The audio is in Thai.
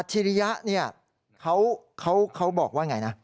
อัจฉียะนี่เขาบอกว่าอย่างไรนะ